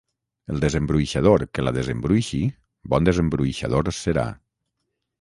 El desembruixador que la desembruixi bon desembruixador serà